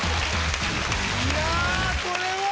いやこれは。